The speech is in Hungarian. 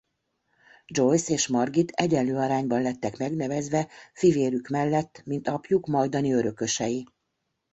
Joyce és Margit egyenlő arányban lettek megnevezve fivérük mellett mint apjuk majdani örökösei.